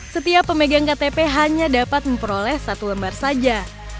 setiap pemegang ktp hanya dapat memperoleh satu lembar saja